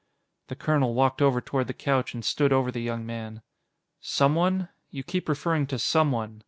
The colonel walked over toward the couch and stood over the young man. "Someone? You keep referring to 'someone.'